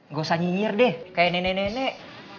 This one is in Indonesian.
gak usah nyinyir deh kayak nenek nenek